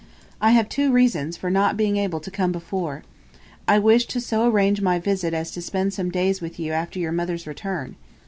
I have two reasons for not being able to come before. I wish so to arrange my visit as to spend some days with you after your mother's return.